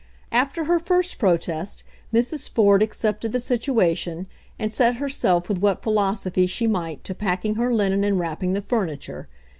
After her first protest Mrs. Ford accepted the situation and set herself with what philosophy she might to packing her linen and wrapping the furniture.